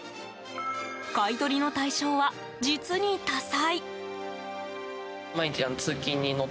買い取りの対象は、実に多彩。